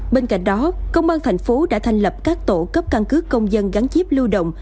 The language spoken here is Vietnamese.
bên cạnh đó công an tp cn đã thành lập các tổ cấp căn cứ công dân gắn chip lưu động